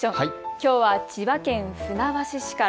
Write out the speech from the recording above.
きょうは千葉県船橋市から。